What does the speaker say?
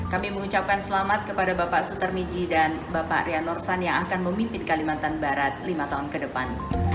kami mengucapkan selamat kepada bapak sutar miji dan bapak rian norsan yang akan memimpin kalimantan barat lima tahun ke depan